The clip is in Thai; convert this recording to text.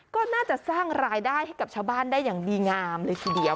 ก็น่าจะสร้างรายได้ให้กับชาวบ้านได้อย่างดีงามเลยทีเดียว